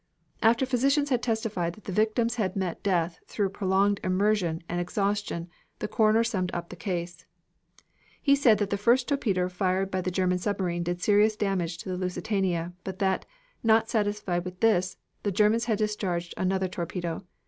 After physicians had testified that the victims had met death through prolonged immersion and exhaustion the coroner summed up the case. He said that the first torpedo fired by the German submarine did serious damage to the Lusitania, but that, not satisfied with this, the Germans had discharged another torpedo.